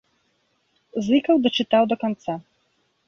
Зыкаў дачытаў да канца.